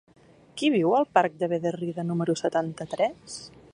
Qui viu al parc de Bederrida número setanta-tres?